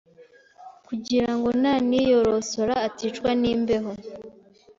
kugirango naniyorosora aticwa n’imbeho.